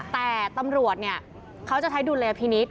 แต่ตำรวจเนี่ยเขาจะใช้ดุลยพินิษฐ